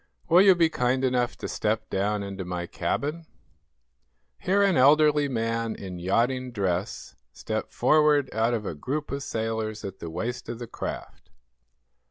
Will you be kind enough to step down into my cabin?" Here an elderly man, in yachting dress, stepped forward out of a group of sailors at the waist of the craft.